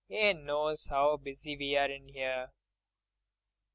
"'E knows 'ow busy we are in 'ere."